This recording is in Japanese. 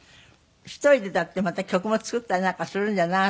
１人でだってまた曲も作ったりなんかするんじゃない？